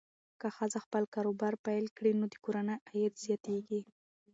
که ښځه خپل کاروبار پیل کړي، نو د کورنۍ عاید زیاتېږي.